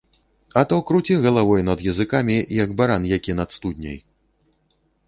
А то круці галавой над языкамі, як баран які над студняй.